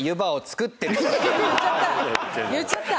言っちゃった！